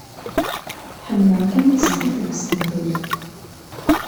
Ḥemmleɣ-kem tezgiḍ deg usentel.